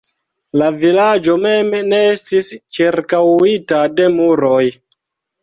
La vilaĝo mem ne estis ĉirkaŭita de muroj.